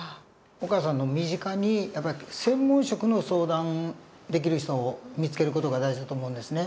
お母さんの身近に専門職の相談できる人を見つける事が大事だと思うんですね。